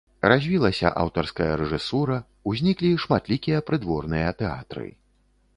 Развілася аўтарская рэжысура, узніклі шматлікія прыдворныя тэатры.